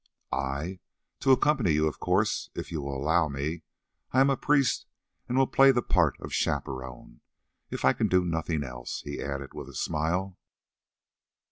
"I? to accompany you, of course, if you will allow me. I am a priest and will play the part of chaperon, if I can do nothing else," he added with a smile.